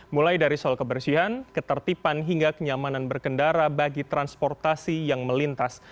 mulai dari soal kebersihan ketertiban hingga kenyamanan berkendara bagi transportasi yang melintas